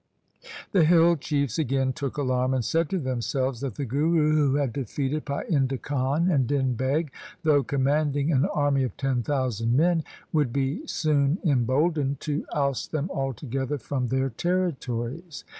The hill chiefs again took alarm and said to them selves that the Guru who had defeated Painda Khan and Din Beg, though commanding an army of ten thousand men, would be soon emboldened to oust them altogether from their territories.